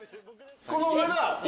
この上だ。